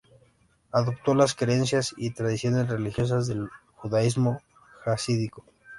Adoptó las creencias y tradiciones religiosas del judaísmo jasídico.